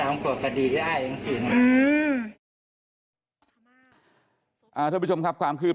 ไม่ได้เลี้ยงแล้วว่านี้